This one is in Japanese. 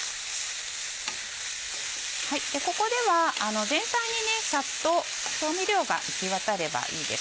ここでは全体にサッと調味料が行き渡ればいいです。